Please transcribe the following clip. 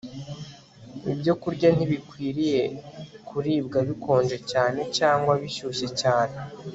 ibyokurya ntibikwiriye kuribwa bikonje cyane cyangwa bishyushye cyane